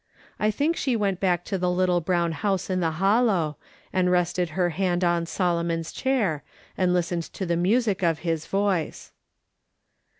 I think she went back to the little brown house in the Hollow, and rested her hand on Solomon's chair, and listened to the music of his voice.